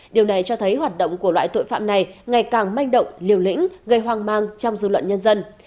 điều này cho thấy hoạt động của loại tội phạm này ngày càng manh động liều lĩnh gây hoang mang trong dư luận nhân dân